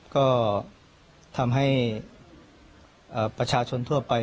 ก็ทำให้ประชาชนทั่วไป